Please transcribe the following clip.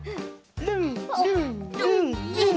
ルンルンルンルン！